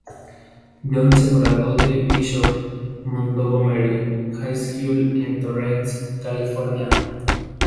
Jones se graduó de la Bishop Montgomery High School en Torrance, California.